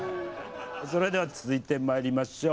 それでは続いてまいりましょう。